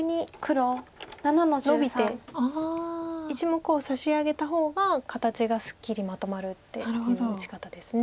１目を差し上げた方が形がすっきりまとまるっていう打ち方です。